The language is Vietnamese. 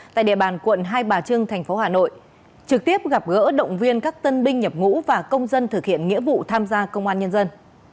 trực tiếp gặp gỡ động viên các tân binh nhập ngũ và công dân thực hiện nghĩa vụ tham gia công an nhân dân